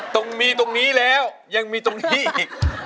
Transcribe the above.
ตรงนี้ตรงนี้แล้วยังมีตรงนี้อีก